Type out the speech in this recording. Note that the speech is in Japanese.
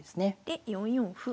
で４四歩。